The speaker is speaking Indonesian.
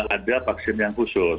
ada vaksin yang khusus